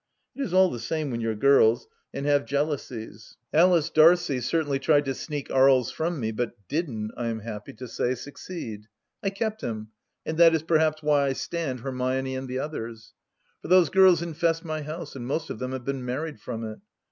It is all the same when you're girls, and have 74 THE LAST DITCH jealousies. Alice Darcie certainly tried to sneak Aries from me, but didn't, I am happy to say, succeed. I kept him, and that is perhaps why I stand Hermione and the others. For those girls infest my house, and most of them have been married from it.